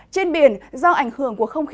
trên biển do ảnh hưởng của không khí